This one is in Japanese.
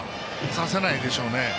させないでしょうね。